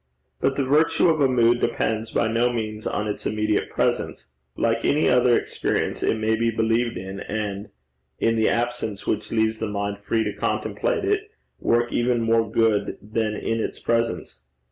But the virtue of a mood depends by no means on its immediate presence. Like any other experience, it may be believed in, and, in the absence which leaves the mind free to contemplate it, work even more good than in its presence.